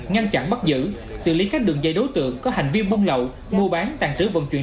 ngăn chặn bắt giữ xử lý các đường dây đối tượng có hành vi buôn lậu mua bán tàn trữ vận chuyển